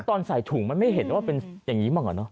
ตอนใส่ถุงมันไม่เห็นว่าเป็นอย่างนี้เหมือนกันอ่ะ